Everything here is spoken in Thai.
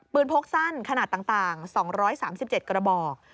พกสั้นขนาดต่าง๒๓๗กระบอก